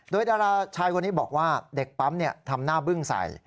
โดยดาราชายคนนี้บอกว่าเด็กปั๊มทำหน้าบึ้งใส่